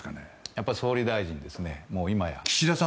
やっぱり総理大臣ですね。